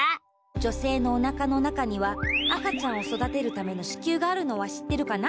女せいのおなかの中には赤ちゃんをそだてるための子宮があるのは知ってるかな？